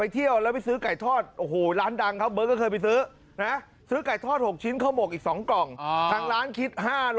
เที่ยวแล้วไปซื้อไก่ทอด